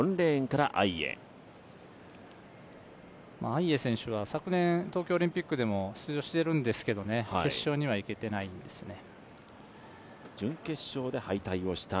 アイエ選手は昨年、東京オリンピックでも出場しているんですけれども、決勝には行けてないんですよね。